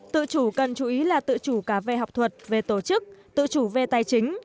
tự chủ cần chú ý là tự chủ cả về học thuật về tổ chức tự chủ về tài chính